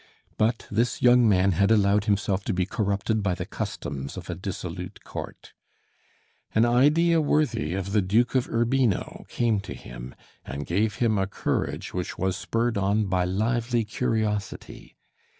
But this young man had allowed himself to be corrupted by the customs of a dissolute court. An idea worthy of the Duke of Urbino came to him, and gave him a courage which was spurred on by lively curiosity.